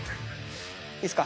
いいっすか？